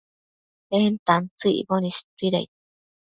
en tantsëc icboc istuidaid